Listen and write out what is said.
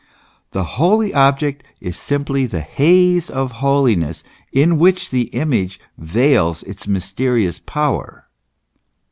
The holy object is simply the haze of holiness in which the image veils its mysterious power.